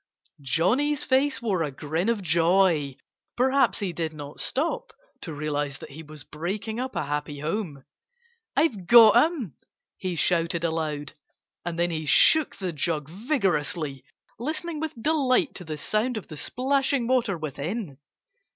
Johnnie's face wore a grin of joy. Perhaps he did not stop to realize that he was breaking up a happy home. "I've got 'em!" he shouted aloud. And then he shook the jug vigorously, listening with delight to the sound of the splashing water within.